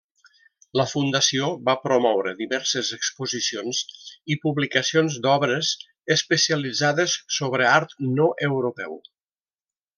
La fundació va promoure diverses exposicions i publicacions d'obres especialitzades sobre art no europeu.